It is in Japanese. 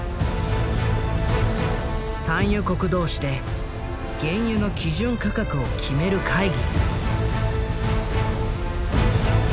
産油国同士で原油の基準価格を決める会議。